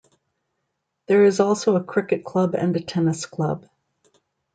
There is also a cricket club and a tennis club.